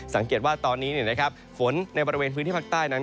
สังเกตว่าตอนนี้ฝนในบริเวณพื้นที่ภาคใต้นั้น